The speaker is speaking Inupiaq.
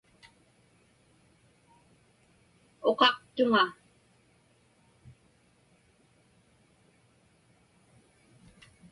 Uqaqtuŋa.